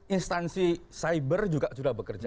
instansi cyber juga sudah bekerja